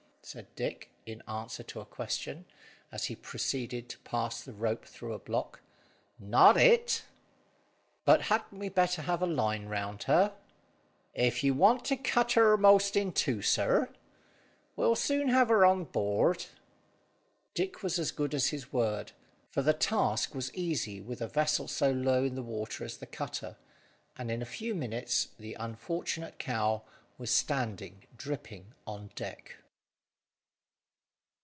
said Dick, in answer to a question, as he proceeded to pass the rope through a block, "not it." "But hadn't we better have a line round her?" "If you want to cut her 'most in two, sir. We'll soon have her on board." Dick was as good as his word, for the task was easy with a vessel so low in the water as the cutter; and in a few minutes the unfortunate cow was standing dripping on deck.